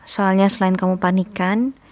soalnya selain kamu panikan